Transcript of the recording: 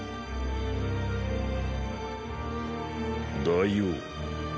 大王。